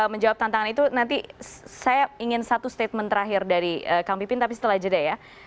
menjawab tantangan itu nanti saya ingin satu statement terakhir dari kang pipin tapi setelah jeda ya